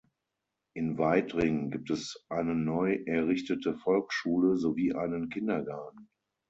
In Waidring gibt es eine neu errichtete Volksschule, sowie einen Kindergarten.